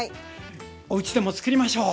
おうちでも作りましょう！